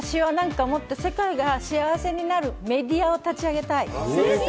世界がもっと幸せになるメディアを立ち上げたい。